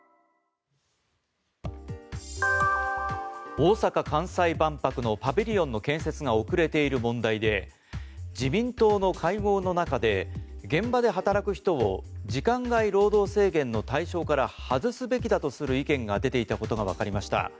大阪・関西万博のパビリオンの建設が遅れている問題で自民党の会合の中で現場で働く人を時間外労働制限の対象から外すべきだとする意見が出ていたことがわかりました。